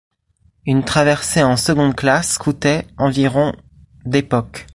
Une traversée en seconde classe coûtait environ d'époque.